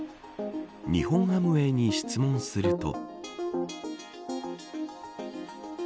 日本アムウェイに質問すると。